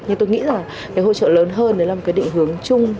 nhưng tôi nghĩ là hỗ trợ lớn hơn là một định hướng chung